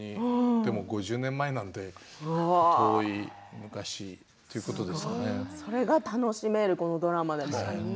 でも５０年前なのでそれが楽しめるドラマ